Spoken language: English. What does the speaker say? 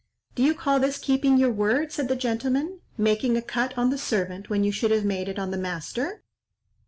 "Do you call this keeping your word," said the gentleman, "making a cut on the servant when you should have made it on the master?"